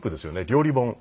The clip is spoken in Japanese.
料理本。